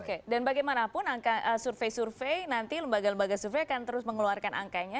oke dan bagaimanapun angka survei survei nanti lembaga lembaga survei akan terus mengeluarkan angkanya